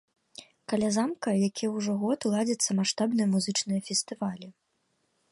Каля замка які ўжо год ладзяцца маштабныя музычныя фестывалі.